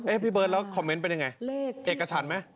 เอ๊ะพี่เบิร์ตแล้วคอมเมนต์เป็นอย่างไรเอกชันไหม